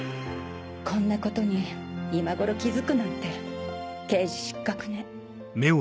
こんなことに今頃気付くなんて刑事失格ね